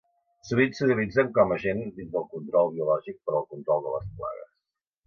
Sovint s'utilitzen com agent dins el control biològic per al control de les plagues.